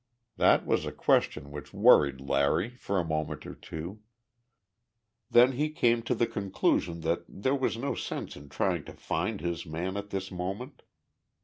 That was a question which worried Larry for a moment or two. Then he came to the conclusion that there was no sense in trying to find his man at this moment.